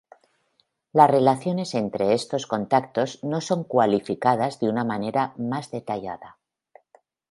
Las relaciones entre estos contactos no son cualificadas de una manera más detallada.